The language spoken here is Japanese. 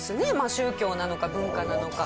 宗教なのか文化なのか。